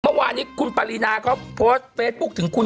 เมื่อวานนี้คุณปรินาเขาโพสต์เฟซบุ๊คถึงคุณ